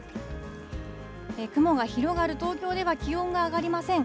雲が広がる東京では気温が上がりません。